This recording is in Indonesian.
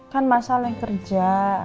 kan masa lo yang kerja